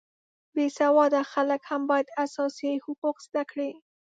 بې سواده خلک هم باید اساسي حقوق زده کړي